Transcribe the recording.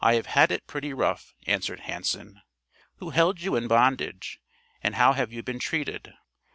"I have had it pretty rough," answered Hanson. "Who held you in bondage, and how have you been treated?"